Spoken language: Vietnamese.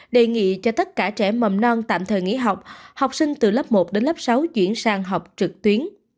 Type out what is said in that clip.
đề nghị cho tất cả trẻ mầm non tạm thời nghỉ học học sinh từ lớp một đến lớp sáu chuyển sang học trực tuyến